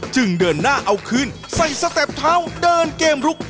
เดินหน้าเอาคืนใส่สเต็ปเท้าเดินเกมลุก